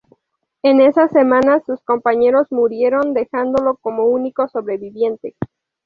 En esa semana, sus compañeros murieron, dejándolo como único sobreviviente.